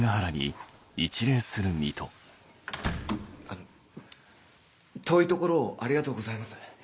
あの遠いところをありがとうございます。